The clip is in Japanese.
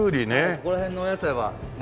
ここら辺のお野菜は夏野菜で。